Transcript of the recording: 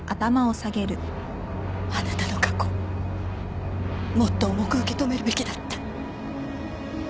あなたの過去もっと重く受け止めるべきだった。